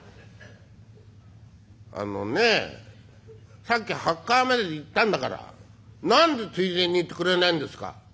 「あのねさっき８階まで行ったんだから何でついでに言ってくれないんですか」。